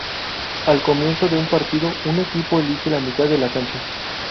Al comienzo de un partido un equipo elige la mitad de la cancha.